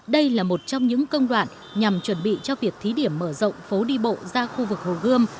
đây là một trong những công đoạn nhằm chuẩn bị cho việc thí điểm mở rộng phố đi bộ ra khu vực hồ gươm